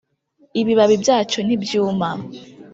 Ibibabi byacyo ntibyuma